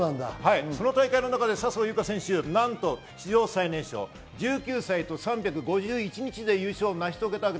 その中で笹生優花選手、史上最年少１９歳と３５１日で優勝を成し遂げました。